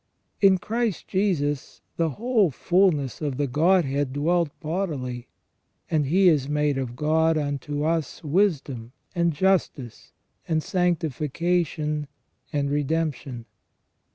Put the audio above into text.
In Christ Jesus " the whole fulness of the Godhead dwelt bodily "; and He " is made of God unto us wisdom, and justice, and sanctification, and redemption".